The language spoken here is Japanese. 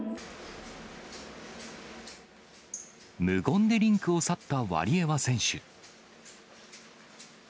無言でリンクを去ったワリエワ選手。